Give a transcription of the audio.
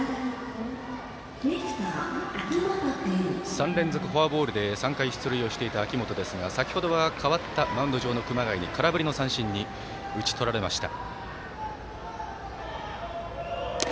３連続フォアボールで３回出塁していた秋元ですが先ほどは代わったマウンド上の熊谷に空振り三振に打ち取られました。